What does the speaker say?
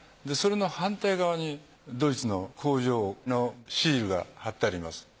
それの反対側にドイツの工場のシールが貼ってあります。